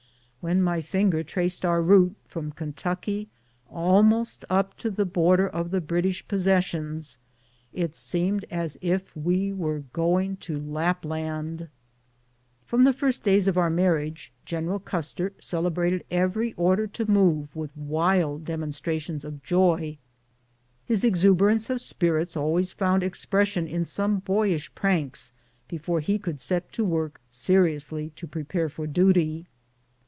When my finger traced our route from Kentucky almost up to the border of the British Possessions, it seemed as if we were going to Lapland. From the first days of our marriage. General Custer celebrated every order to move with wild demonstra tions of joy. His exuberance of spirits always found expression in some boyish pranks, before he could set to work seriously to prepare for duty.